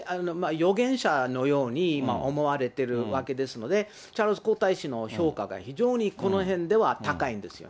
預言者のように今、思われてるわけですので、チャールズ皇太子の評価が非常にこのへんでは高いんですよね。